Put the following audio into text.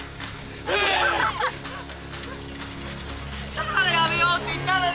だからやめようって言ったのに。